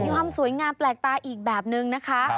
ความสวยงามแปลกตาอีกแบบนึงนะคะ